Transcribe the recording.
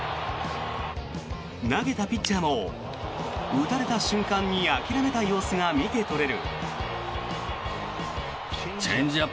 投げたピッチャーも打たれた瞬間に諦めた様子が見て取れる。